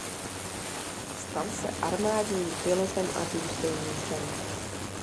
Stal se armádním pilotem a důstojníkem.